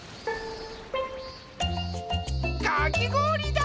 かきごおりだ！